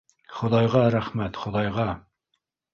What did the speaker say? Хоҙайға рәхмәт, Хоҙайға!